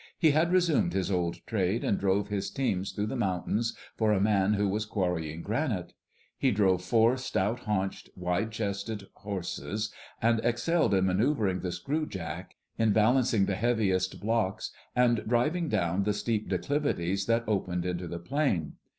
He had resumed his old trade, and drove his teams through the mountains for a man who was quarrying granite. He drove four stout haunched, wide chested horses, and excelled in manoeuvring the screw jack, in balancing the heaviest blocks, and driving down the steep declivities that opened into the plain.